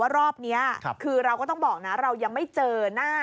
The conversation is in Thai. รอบนี้คือเราก็ต้องบอกนะเรายังไม่เจอหน้า